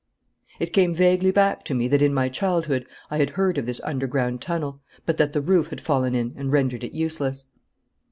It came vaguely back to me that in my childhood I had heard of this underground tunnel, but that the roof had fallen in and rendered it useless.